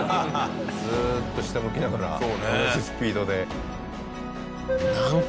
ずーっと下向きながら同じスピードで。